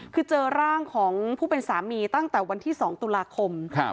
คือเจอร่างของผู้เป็นสามีตั้งแต่วันที่๒ตุลาคม